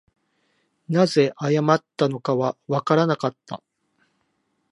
何故謝ったのかはわからなかった